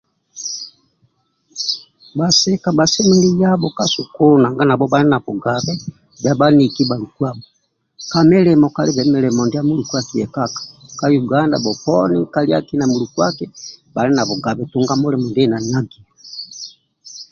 Bhasika bhasemelelu yabho ka sukulu nanga nabho bhali na bugabe bhia bhaniki bhalukuabho ka milimo kalibe mulimo ndia mulukuaki yekaka poni nkali na muluka bhali na bugabe tunga mulimo ndia aenagio